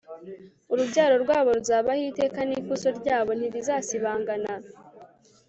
urubyaro rwabo ruzabaho iteka n'ikuzo ryabo ntirizasibangana